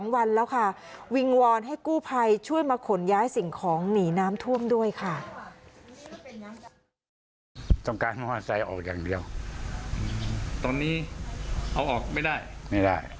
บ้านน้องอันไซด์ออกอย่างเดียวตอนนี้เอาออกไม่ได้ไม่ได้